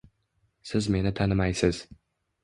Siz meni tanimaysiz